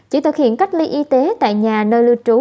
chỉ thực hiện cách ly y tế tại nhà nơi lưu trú